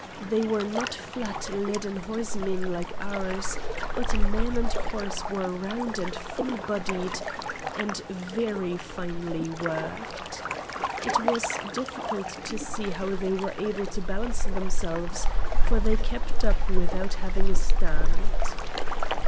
They were not flat leaden horsemen like ours, but man and horse were round and full bodied, and very finely worked. It was difficult to see how they were able to balance themselves, for they kept up without having a stand.